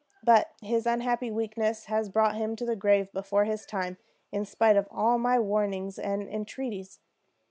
But his unhappy weakness has brought him to the grave before his time, in spite of all my warnings, and entreaties.